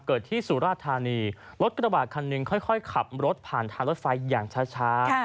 ที่สุราธานีรถกระบาดคันหนึ่งค่อยขับรถผ่านทางรถไฟอย่างช้า